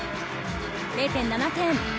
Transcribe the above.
０．７点。